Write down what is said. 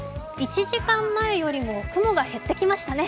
１時間前よりも雲が減ってきましたね。